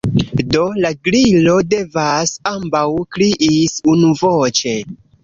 "Do, la Gliro devas," ambaŭ kriis unuvoĉe.